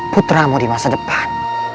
putramu di masa depan